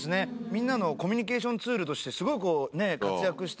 みんなのコミュニケーションツールとしてすごいこうねっ活躍してるのが。